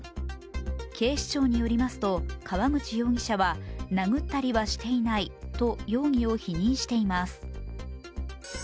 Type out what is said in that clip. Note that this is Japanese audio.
警視庁によりますと、河口容疑者は殴ったりはしていないと容疑を否認しています。